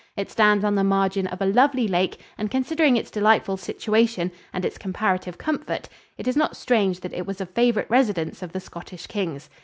It stands on the margin of a lovely lake, and considering its delightful situation and its comparative comfort, it is not strange that it was a favorite residence of the Scottish kings.